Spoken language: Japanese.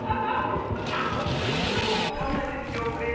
さあみんなもかんがえてみておくれよ。